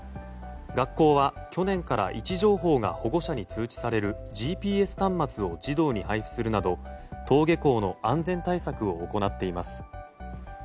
学校は去年から位置情報が保護者に通知されるＧＰＳ端末を児童に配布するなど登下校の安全対策を行っています。